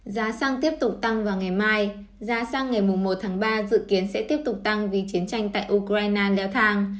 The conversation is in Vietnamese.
giá xăng tiếp tục tăng vào ngày mai giá sang ngày một tháng ba dự kiến sẽ tiếp tục tăng vì chiến tranh tại ukraine leo thang